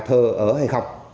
thơ ở hay không